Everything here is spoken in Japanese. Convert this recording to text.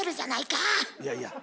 いやいや。